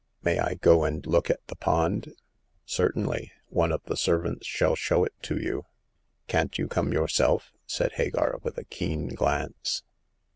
May I go and look at the pond ?"Certainly. One of the servants shall show it to you." Can't you come yourself ?'* said Hagar, with a keen glance.